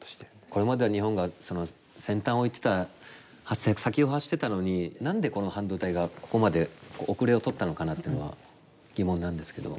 これまでは日本が先端を先を走ってたのに何でこの半導体がここまで後れを取ったのかなっていうのは疑問なんですけど。